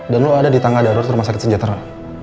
dan lo ada di tangga darurat rumah sakit sejahtera